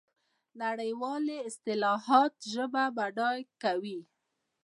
نړیوالې اصطلاحات ژبه بډایه کوي.